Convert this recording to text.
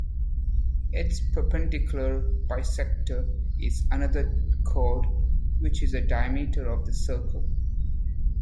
Its perpendicular bisector is another chord, which is a diameter of the circle.